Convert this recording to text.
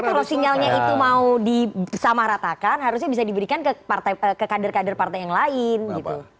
tapi kalau sinyalnya itu mau disamaratakan harusnya bisa diberikan ke kader kader partai yang lain gitu